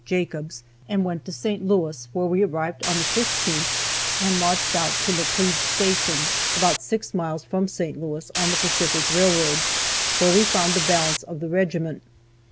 Jacobs," and went to St. Louis, where we arrived on the 15th, and marched out to Laclede Station, about six miles from St. Louis, on the Pacific railroad, where we found the balance of the regiment.